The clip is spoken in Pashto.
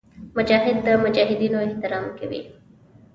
مجاهد د مجاهدینو احترام کوي.